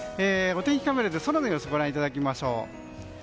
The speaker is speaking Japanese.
お天気カメラで空の様子をご覧いただきましょう。